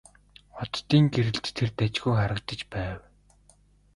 Оддын гэрэлд тэр дажгүй харагдаж байв.